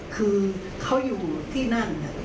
คือเขาอยู่ที่นั่น